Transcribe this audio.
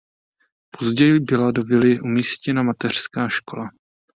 Později byla do vily umístěna mateřská škola.